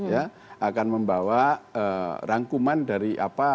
ya akan membawa rangkuman dari apa